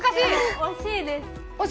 惜しいです。